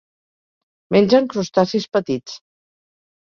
Mengen crustacis petits.